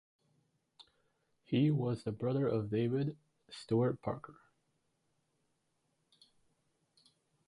He was the brother of David Stuart Parker.